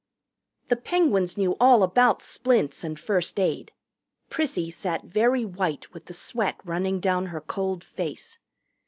The Penguins knew all about splints and first aid. Prissy sat very white with the sweat running down her cold face.